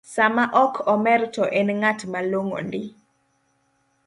Sama ok omer to en ng’at malong’o ndi